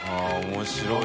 面白い。